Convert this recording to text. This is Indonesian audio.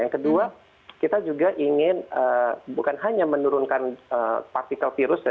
yang kedua kita juga ingin bukan hanya menurunkan partikel virus